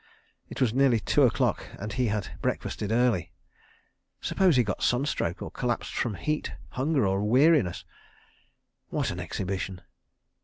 It was nearly two o'clock and he had breakfasted early. Suppose he got sunstroke, or collapsed from heat, hunger, and weariness? What an exhibition!